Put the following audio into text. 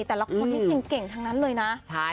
แต่ละคนนี้เก่งทั้งนั้นเลยนะ